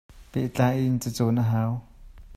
Pehtlai in cacawn a hau.